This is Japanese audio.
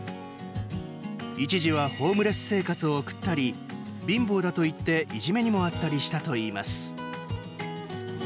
一時はホームレス生活を送ったり貧乏だといっていじめにも遭ったりしたといいます。